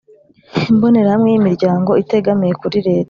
imbonerahamwe y’imiryango itegamiye kuri leta